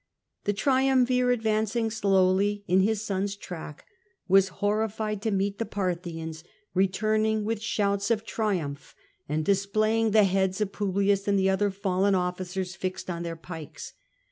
The triumvir, advancing slowly in his son's track, was horrified to meet the Parthians returning with shouts of triumph, and displaying the heads of Publius and the other fallen officers fixed on their pikes.